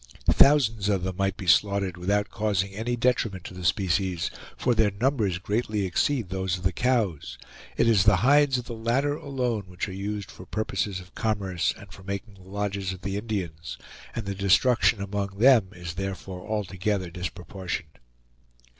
Thousands of them might be slaughtered without causing any detriment to the species, for their numbers greatly exceed those of the cows; it is the hides of the latter alone which are used for purpose of commerce and for making the lodges of the Indians; and the destruction among them is therefore altogether disproportioned.